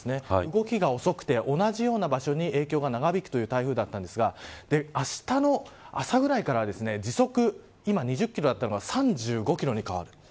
動きが遅くて同じような場所に影響が長引くという台風だったんですがあしたの朝ぐらいからは時速、今２０キロだったのが３５キロに変わる。